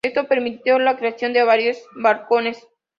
Esto permitió la creación de varios balcones.